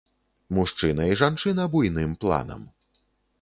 Мужчына і жанчына буйным планам.